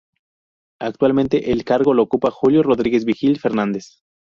Actualmente el cargo lo ocupa Julio Rodríguez Vigil Fernández.